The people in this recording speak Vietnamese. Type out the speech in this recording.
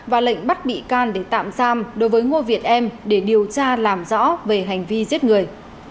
và lệnh bắt bị can để tạm giam đối với ngô việt em để điều tra làm rõ về hành vi giết người